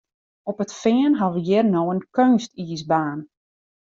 Op it Fean ha we hjir no in keunstiisbaan.